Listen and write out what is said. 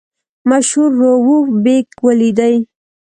مشهور رووف بېګ ولیدی.